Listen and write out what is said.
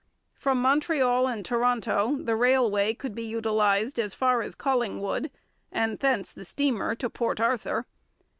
From Montreal and Toronto the railway could be utilized as far as Collingwood, and thence the steamer to Port Arthur.